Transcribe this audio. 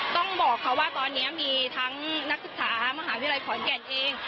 ต้องบอกค่ะว่าตอนนี้มีทั้งนักศึกษามหาวิทยาลัยขอนแก่นเอง